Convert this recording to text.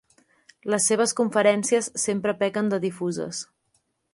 Les seves conferències sempre pequen de difuses.